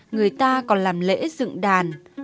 người ta còn làm lễ dựng đàn